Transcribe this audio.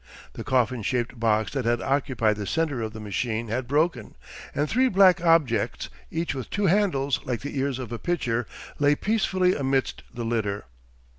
The coffin shaped box that had occupied the centre of the machine had broken, and three black objects, each with two handles like the ears of a pitcher, lay peacefully amidst the litter.